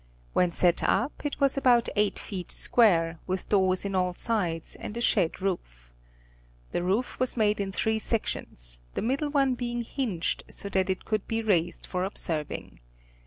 When set up it was about eight feet square, with doors in all sides, and a shed roof. The roof was made in three sections, the middle one being hinged so that it could be raised for observing.